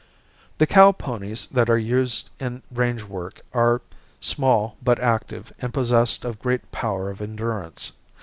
The cow ponies that are used in range work are small but active and possessed of great power of endurance.